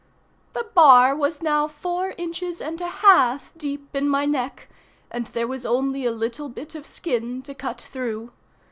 The bar was now four inches and a half deep in my neck, and there was only a little bit of skin to cut through.